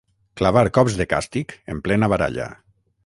Clavar cops de càstig en plena baralla.